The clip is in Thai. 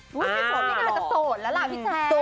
พี่โสดนี่น่าจะโสดแล้วล่ะพี่แจ๊ค